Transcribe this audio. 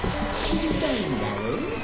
知りたいんだろ？